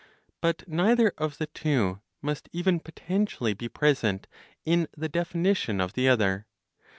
But neither of the two must even potentially be present in the definition of the other.